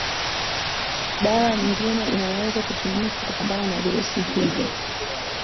dawa nyingine inaweza kutumika kupambana na virusi hivyo